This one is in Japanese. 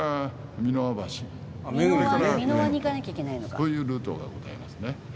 そういうルートがございますね。